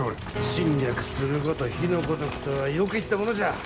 「侵略すること火の如く」とはよく言ったものじゃ。